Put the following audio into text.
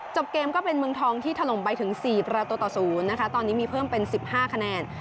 เกมก็เป็นเมืองทองที่ถล่มไปถึง๔ประตูต่อ๐นะคะตอนนี้มีเพิ่มเป็น๑๕คะแนน